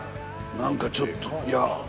何かちょっといや。